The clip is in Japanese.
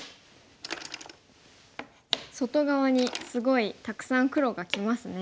外側にすごいたくさん黒がきますね。